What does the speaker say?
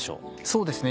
そうですね